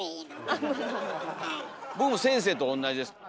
僕先生と同じです。